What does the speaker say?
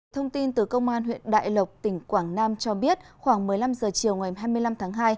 thông tin từ công an huyện đại lộc tỉnh quảng nam cho biết khoảng một mươi năm h chiều ngày hai mươi năm tháng hai